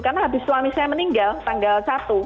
karena habis suami saya meninggal tanggal satu